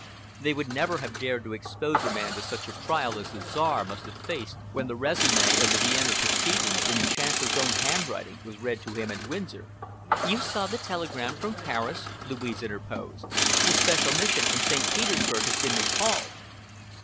They would never have dared to expose a man to such a trial as the Czar must have faced when the resume of the Vienna proceedings, in the Chancellor's own handwriting, was read to him at Windsor." "You saw the telegram from Paris?" Louise interposed. "The special mission from St. Petersburg has been recalled."